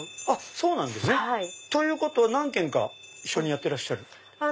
そうなんですね。ということは何軒か一緒にやってらっしゃる？